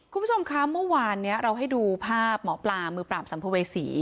คุณผู้ชมคะเมื่อวานนี้เราให้ดูภาพหมอปลามือปราบสัมภเวษี